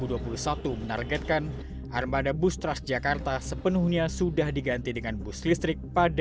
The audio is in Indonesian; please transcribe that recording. peraturan gubernur dki no sembilan puluh tahun dua ribu dua puluh satu menargetkan armada bus transjakarta sepenuhnya sudah diganti dengan bus listrik pada dua ribu tiga puluh